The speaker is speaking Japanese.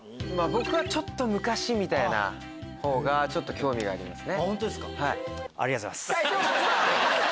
僕はちょっと昔みたいなほうが興味がありますね。